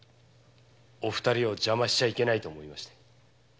お二人を邪魔しちゃいけないと思いまして。